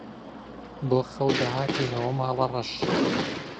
بۆ خەو دەهاتینەوە ماڵەڕەش